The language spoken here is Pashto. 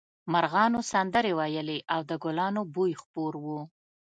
مرغانو سندرې ویلې او د ګلانو بوی خپور و